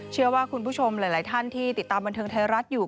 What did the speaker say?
เชื่อว่าคุณผู้ชมหลายท่านที่ติดตามบันเทิงไทยรัฐอยู่